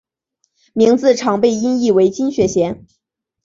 名字常被音译为金雪贤。